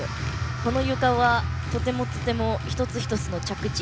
このゆかはとてもとても、一つ一つの着地